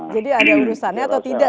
jadi ada urusannya atau tidak